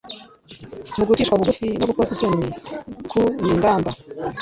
mu gucishwa bugufi no gukozwa isoni, ku nigamba.